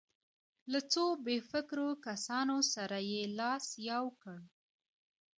له څو بې فکرو کسانو سره یې لاس یو کړ.